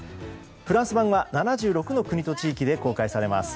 フランス版は７６の国と地域で公開されます。